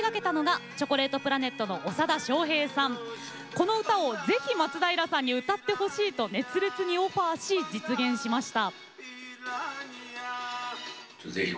この歌をぜひ松平さんに歌ってほしいと熱烈にオファーし実現しました。